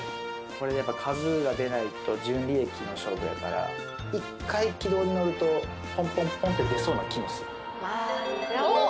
これやっぱ数が出ないと純利益の勝負やから一回軌道に乗るとポンポンポンッて出そうな気もするあぁおっ！